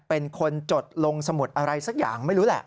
เป็นคนจดลงสมุดอะไรสักอย่างไม่รู้แหละ